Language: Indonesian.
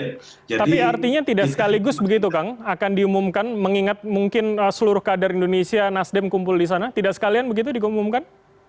tapi artinya tidak sekaligus begitu kang akan diumumkan mengingat mungkin seluruh kader indonesia nasdem kumpul di sana tidak sekalian begitu diumumkan